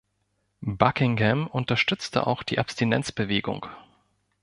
Buckingham unterstützte auch die Abstinenzbewegung.